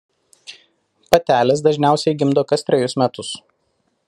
Patelės dažniausiai gimdo kas trejus metus.